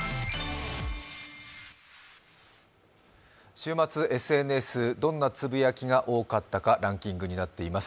週末、ＳＮＳ、どんなつぶやきが多かったか、ランキングになっています。